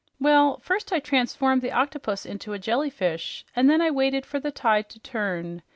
"Well, first I transformed the octopus into a jellyfish, and then I waited for the tide to turn.